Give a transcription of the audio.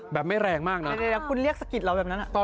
แบบไม่แรงมากน๊า